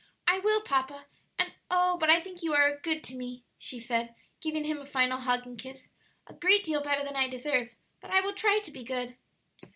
"I will, papa; and oh, but I think you are good to me!" she said, giving him a final hug and kiss; "a great deal better than I deserve; but I will try to be good."